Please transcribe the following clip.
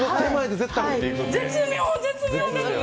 絶妙、絶妙ですよ。